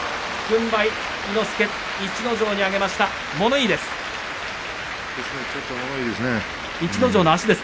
軍配逸ノ城に上げました、物言いです。